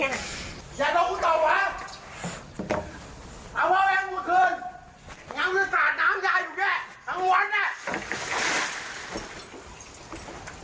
อย่าต้องกูส่งภาพถ้าว่าแม่งกูขึ้นยังไม่ได้สาดน้ำใจอยู่แม่ทั้งวันเนี้ย